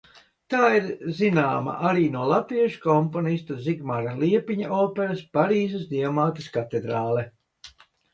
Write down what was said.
"Tā zināma arī no latviešu komponista Zigmara Liepiņa operas "Parīzes Dievmātes katedrāle"."